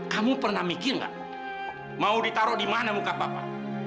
kamu pernah mikir nggak mau ditaruh di mana muka bapak